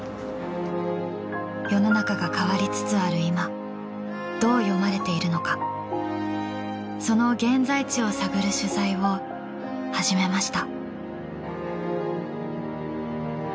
世の中が変わりつつある今どう読まれているのかその現在地を探る取材を始めました。